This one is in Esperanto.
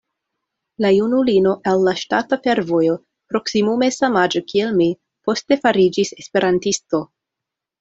La junulino el la ŝtata fervojo, proksimume samaĝa kiel mi, poste fariĝis esperantisto.